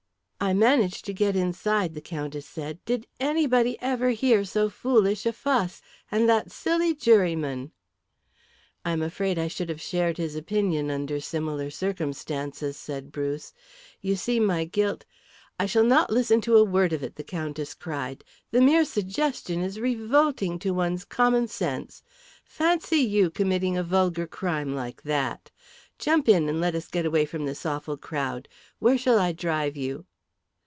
"I managed to get inside," the Countess said. "Did anybody ever hear so foolish a fuss? And that silly juryman!" "I am afraid I should have shared his opinion under similar circumstances," said Bruce. "You see my guilt " "I shall not listen to a word of it," the Countess cried. "The mere suggestion is revolting to one's common sense. Fancy you committing a vulgar crime like that! Jump in, and let us get away from this awful crowd. Where shall I drive you?"